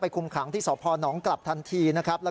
ไปคุมขังที่สะพอน้องกลับทันทีนะครับ